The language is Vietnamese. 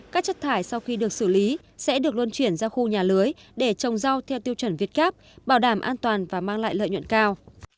các chất thải sau khi được xử lý sẽ được luân chuyển ra khu nhà lưới để trồng rau theo tiêu chuẩn việt gáp bảo đảm an toàn và mang lại lợi nhuận cao